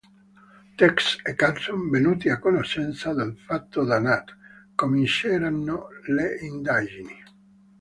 Tex e Carson, venuti a conoscenza del fatto da Nat, cominceranno le indagini.